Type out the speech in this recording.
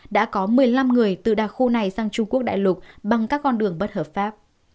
đã có một mươi năm người từ đặc khu này sang trung quốc đại lục bằng các con đường bất hợp pháp